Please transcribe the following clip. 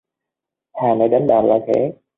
Hà ni đánh bạo gọi khẽ